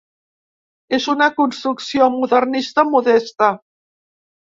És una construcció modernista modesta.